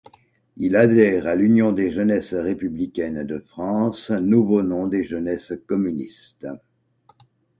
Il adhère à l'Union des jeunesses républicaines de France, nouveau nom des Jeunesses communistes.